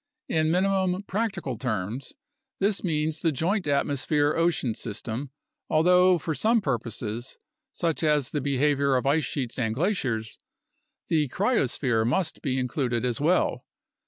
In minimum practical terms, this means the joint atmosphere ocean system, although for some purposes (such as the behavior of ice sheets and glaciers) the cryosphere must be included as well.